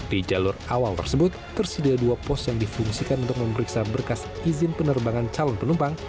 di jalur awal tersebut tersedia dua pos yang difungsikan untuk memeriksa berkas izin penerbangan calon penumpang